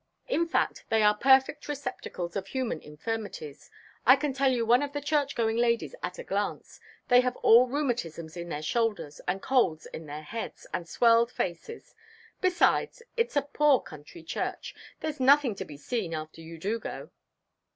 In fact, they are perfect receptacles of human infirmities. I can tell you one of your church going ladies at a glance; they have all rheumatisms in their shoulders, and colds in their heads, and swelled faces. Besides it's a poor country church there's nothing to be seen after you do go."